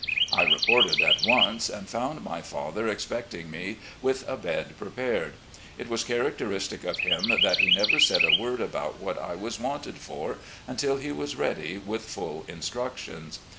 I reported at once, and found my father expecting me, with a bed prepared. It was characteristic of him that he never said a word about what I was wanted for until he was ready with full instructions.